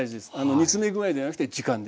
煮詰め具合じゃなくて時間です。